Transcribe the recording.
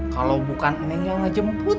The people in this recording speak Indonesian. kalo bukan eneng yang ngejemput